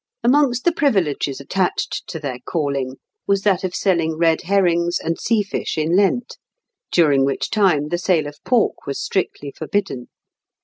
Amongst the privileges attached to their calling was that of selling red herrings and sea fish in Lent, during which time the sale of pork was strictly forbidden.